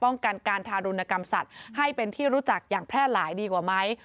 กันการทารุณกรรมสัตว์ให้เป็นที่รู้จักอย่างแพร่หลายดีกว่าไหม